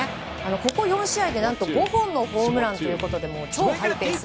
ここ４試合で、何と５本のホームランと超ハイペース！